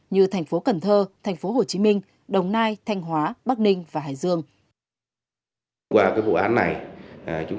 như thành phố cần thơ thành phố hồ chí minh đồng nai thanh hóa bắc ninh và hải dương